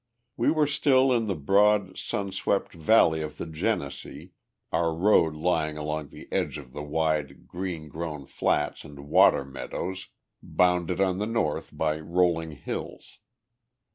We were still in the broad, sun swept valley of the Genesee, our road lying along the edge of the wide, reed grown flats and water meadows, bounded on the north by rolling hills.